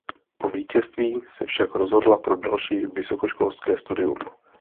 Po vítězství se však rozhodla pro další vysokoškolské studium.